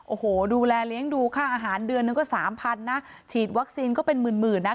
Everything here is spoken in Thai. โอ้โหดูแลเลี้ยงดูค่าอาหารเดือนนึงก็สามพันนะฉีดวัคซีนก็เป็นหมื่นหมื่นนะ